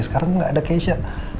sekarang gak ada keisha